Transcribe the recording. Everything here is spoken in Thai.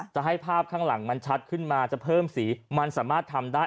จะให้ภาพข้างหลังมันชัดขึ้นมาจะเพิ่มสีมันสามารถทำได้